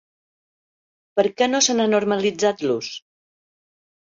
Per què no se n’ha normalitzat l’ús?